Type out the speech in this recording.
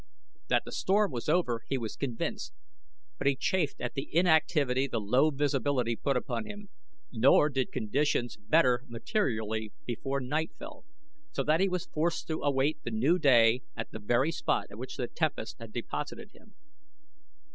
That the storm was over he was convinced, but he chafed at the inactivity the low visibility put upon him, nor did conditions better materially before night fell, so that he was forced to await the new day at the very spot at which the tempest had deposited him.